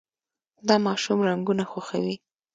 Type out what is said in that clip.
دا ماشوم رنګونه خوښوي.